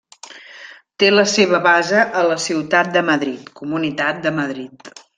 Té la seva base a la ciutat de Madrid, Comunitat de Madrid.